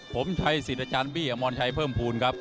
ผมชัยสิทธิ์อาจารย์บี้อมรชัยเพิ่มภูมิครับ